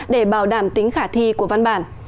để bảo đảm tính khả thi của văn bản